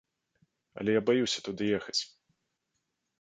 Але я баюся туды ехаць.